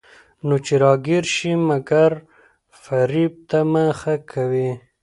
نو چې راګېره شي، مکر وفرېب ته مخه کوي.